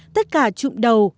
tất cả trụm đầu